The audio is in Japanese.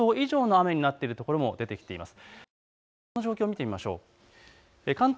予想以上の雨になっているところも出てきています。